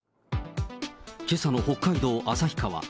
けさの北海道旭川。